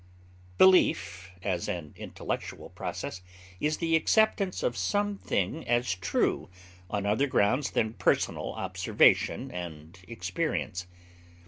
Belief, as an intellectual process, is the acceptance of some thing as true on other grounds than personal observation and experience.